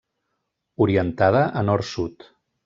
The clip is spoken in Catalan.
Orientada a nord-sud.